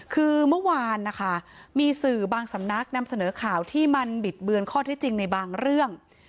คือเมื่อวานนะคะมีสื่อบางสำนักนำเสนอข่าวที่มันบิดเบือนข้อที่จริงในบางเรื่อง